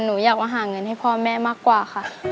หนูอยากมาหาเงินให้พ่อแม่มากกว่าค่ะ